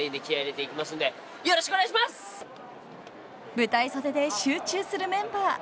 ［舞台袖で集中するメンバー］